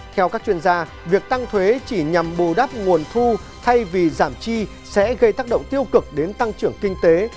theo các chuyên gia việc tăng thuế chỉ nhằm bù đắp nguồn thu thay vì giảm chi sẽ gây tác động tiêu cực đến tăng trưởng kinh tế